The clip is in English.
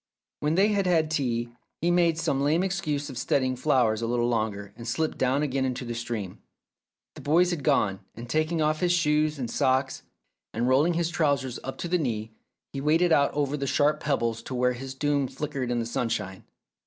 When they had had tea, he made some lame excuse of studying flowers a little longer and slipped down again to the stream. The boys had gone, and taking off his shoes and socks, and rolling his trousers up to the knee, he waded out over the sharp pebbles to where his doom flickered in the sunshine.